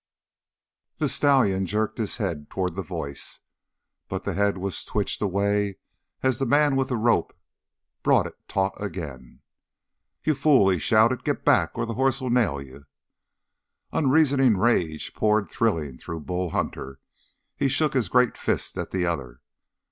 The stallion jerked his head toward the voice, but the head was twitched away as the man with the rope brought it taut again. "You fool!" he shouted. "Get back, or the hoss'll nail you!" Unreasoning rage poured thrilling through Bull Hunter. He shook his great fist at the other.